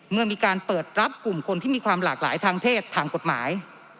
เมื่อมีการเปิดรับกลุ่มคนที่มีความหลากหลายทางเพศทางกฎหมาย